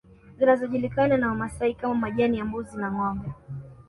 Zinazojulikana na Wamasai kama majani ya mbuzi na ngombe